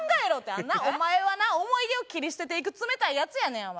あのなお前はな思い出を切り捨てていく冷たいヤツやねんお前。